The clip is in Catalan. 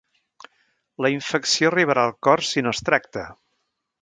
La infecció arribarà al cor si no es tracta.